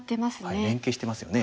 連係してますよね。